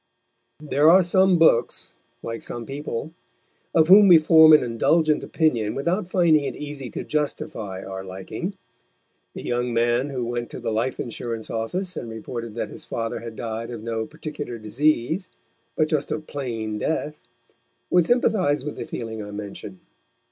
There are some books, like some people, of whom we form an indulgent opinion without finding it easy to justify our liking. The young man who went to the life insurance office and reported that his father had died of no particular disease, but just of "plain death," would sympathise with the feeling I mention.